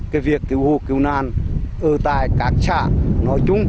cái việc cứu hồ cứu nàn ở tại các xã nói chung